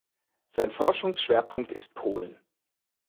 Sein Forschungsschwerpunkt ist Polen.